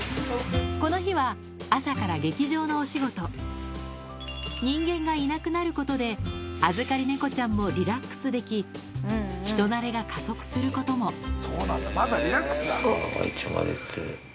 この日は朝から劇場のお仕事人間がいなくなることで預かり猫ちゃんもリラックスでき人なれが加速することもさぁ愛ちゃんが出て。